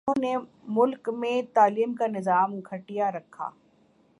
جہنوں نے ملک میں تعلیم کا نظام گٹھیا رکھا